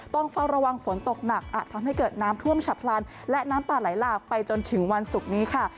ต้องเฝ้าระวังฝนตกหนักอาจทำให้เกิดน้ำท่วมฉับพลันและน้ำป่าไหลหลากไปจนถึงวันศุกร์นี้ค่ะ